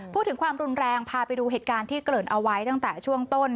พูดถึงความรุนแรงพาไปดูเหตุการณ์ที่เกริ่นเอาไว้ตั้งแต่ช่วงต้น